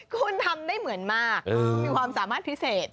คุณทำได้เหมือนมากมีความสามารถพิเศษ